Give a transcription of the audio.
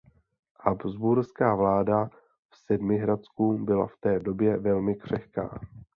Habsburská vláda v Sedmihradsku byla v té době velmi křehká.